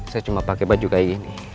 saya cuma pakai baju kayak gini